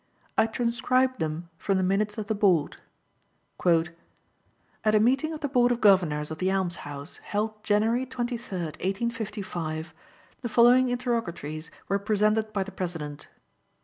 I transcribe them from the Minutes of the Board: "At a meeting of the Board of Governors of the Alms House, held January 23, 1855, the following interrogatories were presented by the President: "1.